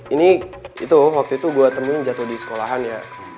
ini itu waktu itu buat temenin jatuh di sekolahan ya